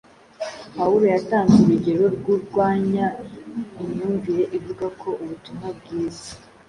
Pawulo yatanze urugero rurwanya imyumvire ivuga ko ubutumwa bwiza